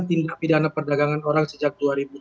tindak pidana perdagangan orang sejak dua ribu tujuh belas